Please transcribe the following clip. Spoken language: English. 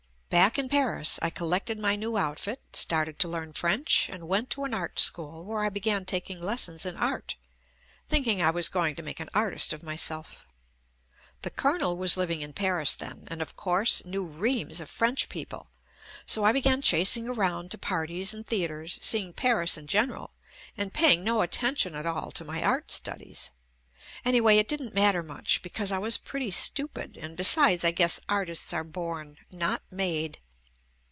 Back in Paris, I collected my new outfit, started to learn French, and went to an art school where I began taking lessons in art, thinking I was going to make an artist of my self. The Colonel was living in Paris then, JUST ME and, of course, knew reams of French people, so I began chasing around to parties and the atres, seeing Paris in general and paying no attention at all to my art studies. Anyway, it didn't matter much because I was pretty stupid, and besides I guess artists are born, not made.